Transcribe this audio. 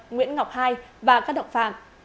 nguyễn ngọc hai và các đồng phạm